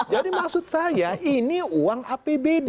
jadi maksud saya ini uang apbd